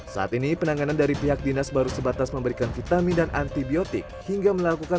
saat ini penanganan dari pihak dinas baru sebatas memberikan vitamin dan antibiotik hingga melakukan